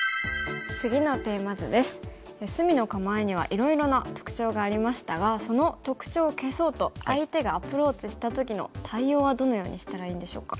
隅の構えにはいろいろな特徴がありましたがその特徴を消そうと相手がアプローチした時の対応はどのようにしたらいいんでしょうか。